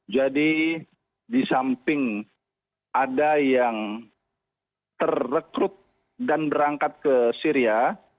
jadi di samping ada yang terrekrut dan berangkat ke syria